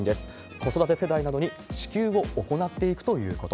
子育て世代などに支給を行っていくということ。